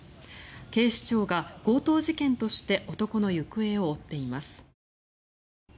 警視庁が強盗事件として男の行方を追っています。